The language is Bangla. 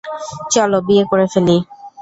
চলো, বিয়ে করে ফেলি।